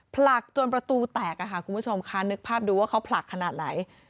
ผลักจนประตูแตกค่ะคุณผู้ชมค่ะนึกภาพดูว่าเขาผลักขนาดไหน